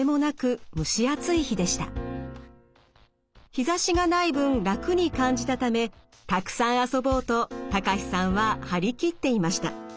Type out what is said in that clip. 日ざしがない分楽に感じたためたくさん遊ぼうとたかしさんは張り切っていました。